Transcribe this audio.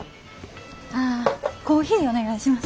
ああコーヒーお願いします。